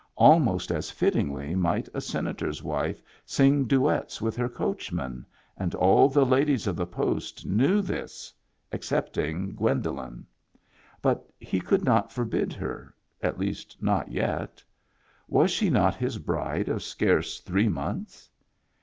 Almost as fittingly might a Senator's wife sing duets with her coachman, and all the ladies of the Post knew this — excepting Gwen dolen ! But he could not forbid her, at least not yet. Was she not his bride of scarce three months.?